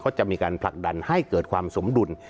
ก็จะมีการผลักดันให้เกิดความสมดุล